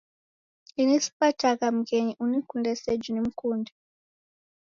Ini sipatagha mghenyi unikunde seji nimkunde